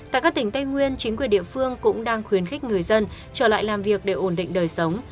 tại các tỉnh tây nguyên chính quyền địa phương cũng đang khuyến khích người dân trở lại làm việc để ổn định đời sống